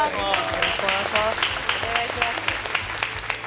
よろしくお願いします。